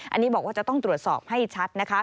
อันนี้บอกว่าจะต้องตรวจสอบให้ชัดนะคะ